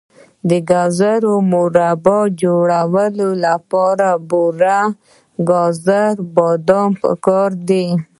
د ګازرو مربا جوړولو لپاره بوره، ګازرې او بادام پکار دي.